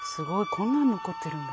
こんなの残ってるんだ。